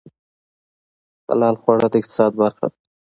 حلال خواړه د اقتصاد برخه ده